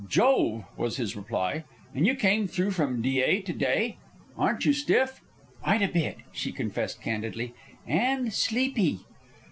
"Jove!" was his reply. "And you came through from Dyea to day! Aren't you stiff?" "Quite a bit," she confessed, candidly, "and sleepy."